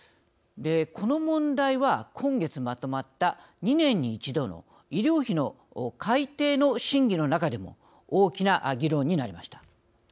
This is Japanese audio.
この問題は、今月まとまった２年に一度の医療費の改定の審議の中でも大きな議論になりました。